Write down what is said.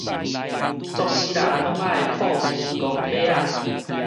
作穡人攏愛靠天公伯仔